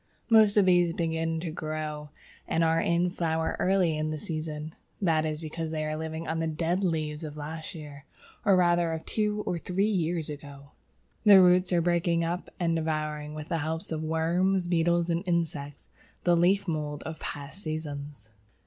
Most of these begin to grow and are in flower early in the season. That is because they are living on the dead leaves of the last year, or rather of two or three years ago. Their roots are breaking up and devouring, with the help of worms, beetles, and insects, the leaf mould of past seasons.